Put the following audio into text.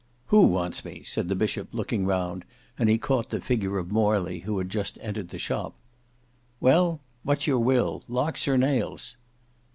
"Who wants me?" said the bishop, looking round, and he caught the figure of Morley who had just entered the shop. "Well, what's your will? Locks or nails?"